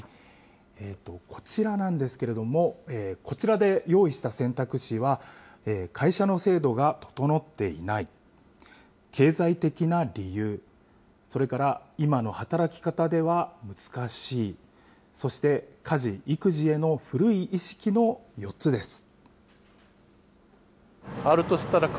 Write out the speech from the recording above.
こちらなんですけれども、こちらで用意した選択肢は、会社の制度が整っていない、経済的な理由、それから、今の働き方では難しい、そして家事・育児への古い意識の４つです。